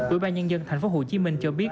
ủy ban nhân dân thành phố hồ chí minh cho biết